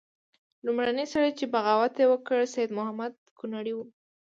لومړنی سړی چې بغاوت یې وکړ سید محمود کنړی وو.